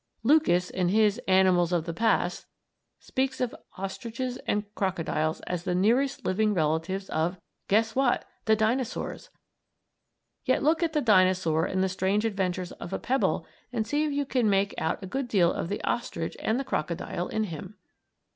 Lucas, in his "Animals of the Past," speaks of ostriches and crocodiles as the nearest living relatives of guess what the dinosaurs! (Yet look at the dinosaur in "The Strange Adventures of a Pebble" and see if you can't make out a good deal of the ostrich and the crocodile in him.)